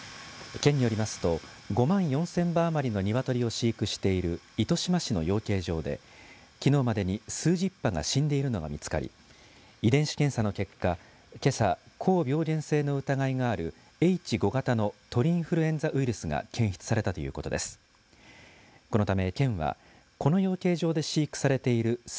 県によりますと５万４０００羽余りの鶏を飼育している糸島市の養鶏場できのうまでに数十羽が死んでいるのが見つかり遺伝子検査の結果けさ高病原性の疑いがあるＨ５型の鳥インフルエンザウイルスが検出されたということです。